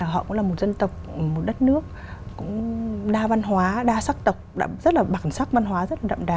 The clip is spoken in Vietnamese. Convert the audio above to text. họ cũng là một dân tộc một đất nước cũng đa văn hóa đa sắc tộc rất là bản sắc văn hóa rất là đậm đà